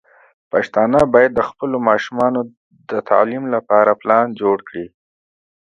پښتانه بايد د خپلو ماشومانو د تعليم لپاره پلان جوړ کړي.